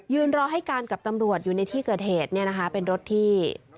ยืนรอให้กันกับตำรวจอยู่ในที่เกิดเหตุเป็นรถที่